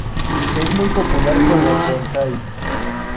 Es muy popular como bonsái.